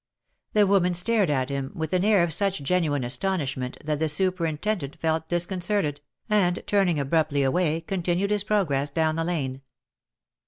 The woman stared at him with an air of such genuine astonish ment, that the superintendent felt disconcerted, and turning abruptly away, continued his progress down the lane.